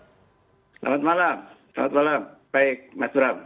selamat malam selamat malam baik mas suram